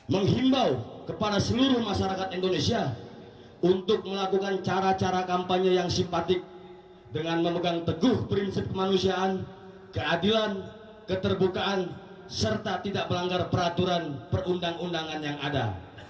menghimbau kepada seluruh masyarakat indonesia untuk melakukan cara cara kampanye yang simpatik dengan memegang teguh prinsip kemanusiaan keadilan keterbukaan serta tidak melanggar peraturan perundang undangan yang ada